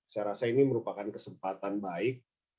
saya rasa ini merupakan kesempatan baik